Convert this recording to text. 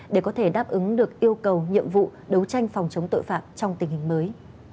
để có thể đáp ứng được yêu cầu nhiệm vụ đấu tranh phòng chống tội phạm trong tình hình mới